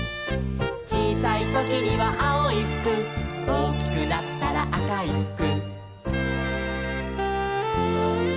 「ちいさいときにはあおいふく」「おおきくなったらあかいふく」